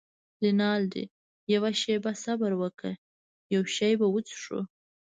رینالډي: یوه شیبه صبر وکړه، یو شی به وڅښو.